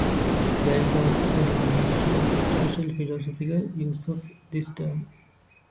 There is also a long history of special philosophical use of this term.